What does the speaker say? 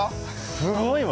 すごいわ。